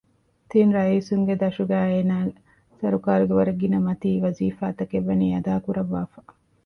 ތިން ރައީސުންގެ ދަށުގައި އޭނާ ސަރުކާރުގެ ވަރަށް ގިނަ މަތީ ވަޒީފާތަކެއް ވަނީ އަދާކުރައްވާފަ